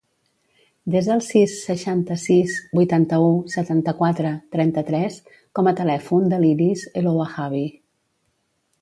Desa el sis, seixanta-sis, vuitanta-u, setanta-quatre, trenta-tres com a telèfon de l'Iris El Ouahabi.